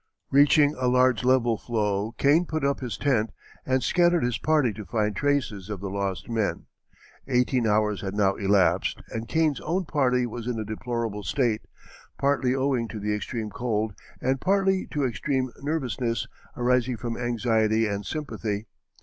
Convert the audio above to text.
Reaching a large level floe Kane put up his tent and scattered his party to find traces of the lost men. Eighteen hours had now elapsed and Kane's own party was in a deplorable state, partly owing to the extreme cold and partly to extreme nervousness arising from anxiety and sympathy.